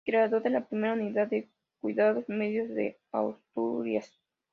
Creador de la primera Unidad de Cuidados Medios de Asturias.